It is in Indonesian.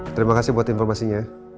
terima kasih buat informasinya